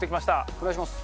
お願いします。